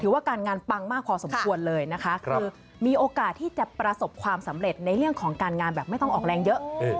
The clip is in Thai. ว่าการงานปังมากพอสมควรเลยนะคะคือมีโอกาสที่จะประสบความสำเร็จในเรื่องของการงานแบบไม่ต้องออกแรงเยอะ